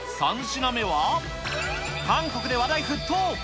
３品目は、韓国で話題沸騰！